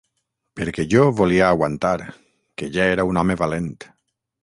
Perquè jo volia aguantar, que ja era un home valent.